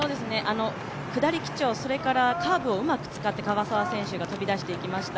下り基調、それからカーブをうまく使って樺沢選手が飛び出していきました。